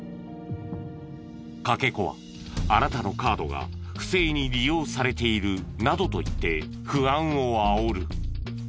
かけ子は「あなたのカードが不正に利用されている」などと言って不安をあおる。